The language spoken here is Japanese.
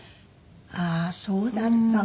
ああーそうだったのね。